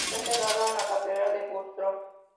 Fue enterrado en la catedral de Güstrow.